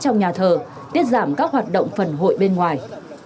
trong nhà thờ tiết giảm các hoạt động phần hội bên ngoài